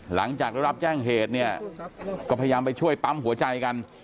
หลังจากได้รับแจ้งเหตุเนี่ยก็พยายามไปช่วยปั๊มหัวใจกัน